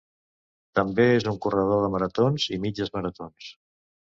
També és un corredor de maratons i mitges maratons.